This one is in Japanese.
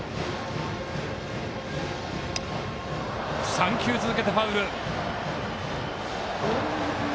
３球続けてファウル。